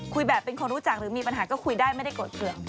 แบบเป็นคนรู้จักหรือมีปัญหาก็คุยได้ไม่ได้โกรธเกลือก